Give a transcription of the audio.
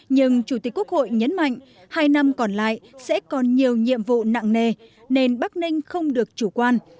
nhưng chủ tịch quốc hội nhấn mạnh hai năm còn lại sẽ còn nhiều nhiệm vụ nặng nề nên bắc ninh không được chủ quan